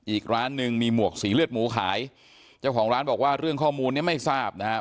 อีกร้านหนึ่งมีหมวกสีเลือดหมูขายเจ้าของร้านบอกว่าเรื่องข้อมูลเนี่ยไม่ทราบนะครับ